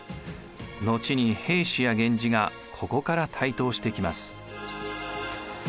後に平氏や源氏がここから台頭してきます。